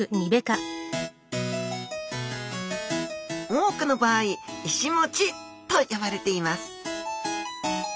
多くの場合いしもちと呼ばれています